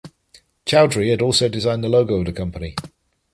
Chowdhury had also designed the logo of the company.